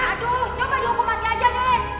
aduh coba dihukum mati aja deh